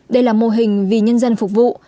đây là mô hình vì nhân dân phục vụ